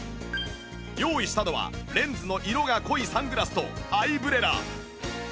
用意したのはレンズの色が濃いサングラスとアイブレラ